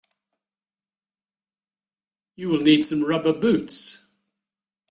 You will need some rubber boots.